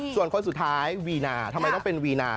ส่วนคนสุดท้ายวีนาทำไมต้องเป็นวีนา